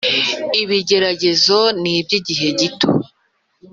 Ibigeragezo ni iby igihe gito